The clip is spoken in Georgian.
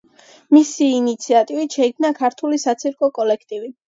მისი ინიციატივით შეიქმნა ქართული საცირკო კოლექტივი.